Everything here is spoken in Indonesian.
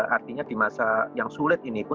artinya di masa yang sulit ini pun